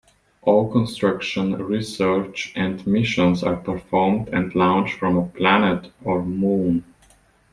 All construction, research, and missions are performed and launched from a planet or moon.